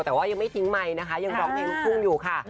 แต่ว่ายังไม่ทิ้งไมค์ยังต้องทิ้งฟุ่งอยู่ค่ะ